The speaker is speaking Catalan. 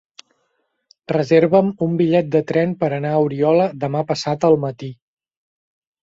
Reserva'm un bitllet de tren per anar a Oriola demà passat al matí.